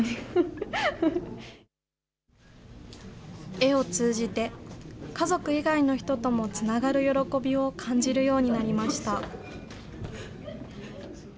絵を通じて、家族以外の人ともつながる喜びを感じるようになりました。